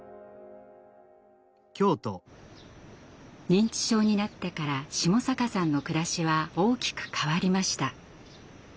認知症になってから下坂さんの暮らしは大きく変わりました。